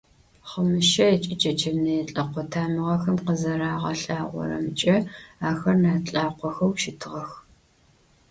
Хъымыщэй ыкӏи чэчэнэе лӏэкъо тамыгъэхэм къызэрагъэлъагъорэмкӏэ, ахэр нарт лӏакъохэу щытыгъэх.